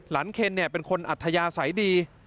เคนเป็นคนอัธยาศัยดี